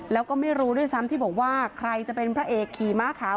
แล้วก็ไม่รู้ด้วยซ้ำที่บอกว่าใครจะเป็นพระเอกขี่ม้าขาว